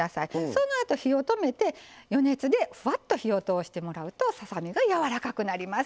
そのあと火を止めて余熱でふわっと火を通してもらうとささ身がやわらかくなります。